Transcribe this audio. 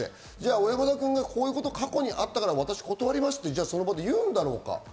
小山田君がこういうことが過去にあったから私断りますって、その場で言うんだろうか。